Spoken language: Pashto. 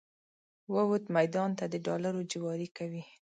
ووته میدان ته د ډالرو جواري کوي